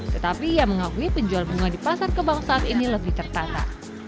tetapi ia mengakui penjual bunga di pasar kembang saat ini lebih tertata